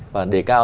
và đề cao